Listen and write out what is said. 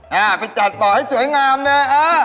น้๋อไปจัดบ่อให้สวยงามเลยอ๊ะ